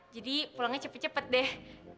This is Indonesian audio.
jadi pulangnya cepet cepet deh